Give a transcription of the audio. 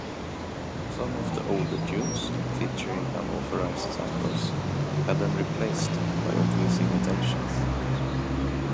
Some of the older tunes featuring unauthorised samples had them replaced by obvious imitations.